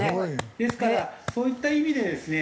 ですからそういった意味でですね